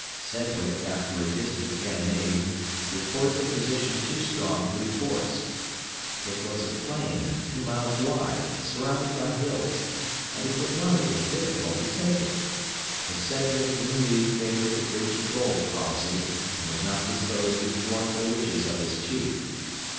Sedgwick, after a distant cannonade, reported the position too strong to be forced. It was a plain, two miles wide, surrounded by hills, and it would not have been difficult to take it, but Sedgwick knew Meade favored the "bridge of gold" policy, and was not disposed to thwart the wishes of his chief.